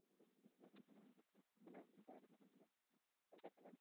জানো, ইলেকট্রিক ইলভর্তি পুলে পড়ে যাওয়ার আগে ম্যাক্স না অনেক ভালো মানুষ ছিল।